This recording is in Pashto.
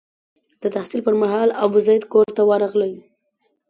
د تحصیل پر مهال ابوزید کور ته ورغلی.